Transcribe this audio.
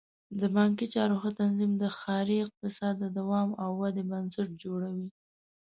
د بانکي چارو ښه تنظیم د ښاري اقتصاد د دوام او ودې بنسټ جوړوي.